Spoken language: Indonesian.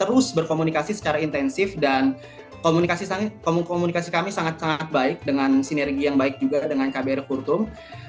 terus berkomunikasi secara intensif dan komunikasi kami sangat sangat baik dengan sinergi yang baik juga dengan kbr kurtum